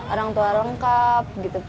orang tua lengkap gitu